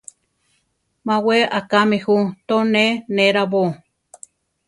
Má we akámi ju, to ne nerábo.